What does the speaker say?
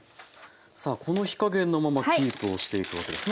さあこの火加減のままキープをしていくわけですね。